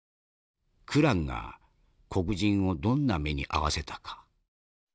クランが黒人をどんな目に遭わせたか？